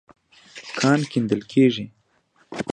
کان کيندل کېږي.